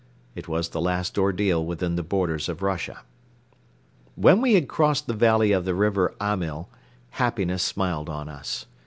It was the last ordeal within the borders of Russia. When we had crossed the valley of the river Amyl, Happiness smiled on us.